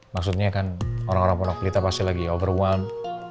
maksudnya kan orang orang punak pelita pasti lagi overwhelmed